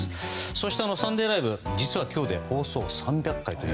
そして「サンデーＬＩＶＥ！！」実は今日で放送３００回です。